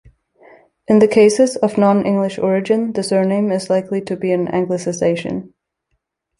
In the cases of non-English origin, the surname is likely to be an Anglicisation.